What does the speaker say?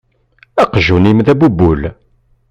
Aqjun-im d abubul.